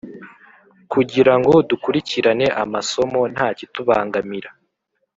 kugira ngo dukurikirane amasomo nta kitubangamira.